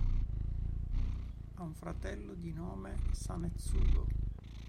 Ha un fratello di nome Sunetsugu.